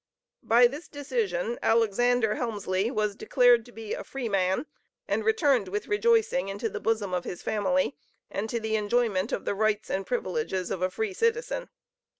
By this decision, Alexander Helmsley was declared to be a freeman, and returned with rejoicing into the bosom of his family, and to the enjoyment of the rights and privileges of a free citizen.